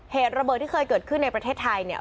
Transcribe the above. เหตุระเบิดที่เคยเกิดขึ้นในประเทศไทยเนี่ย